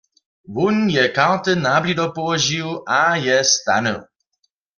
Wón je karty na blido połožił a je stanył.